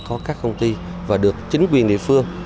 có các công ty và được chính quyền địa phương